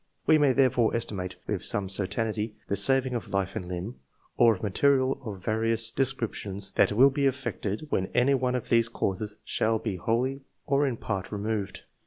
We may therefore estimate with some certainty the saving of life and limb, or of material of various descrip tions, that will be effected when any one of these causes shall be wholly or in part removed.